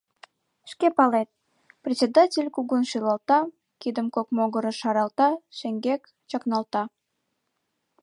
— Шке палет... — председатель кугун шӱлалта, кидым кок могырыш шаралта, шеҥгек чакналта.